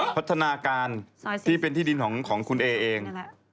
พัฒนาการที่เป็นที่ดินของคุณเอเอง